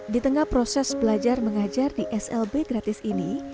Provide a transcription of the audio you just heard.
di tengah proses belajar mengajar di slb gratis ini